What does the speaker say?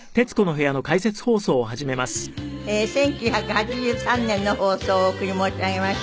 １９８３年の放送をお送り申し上げました。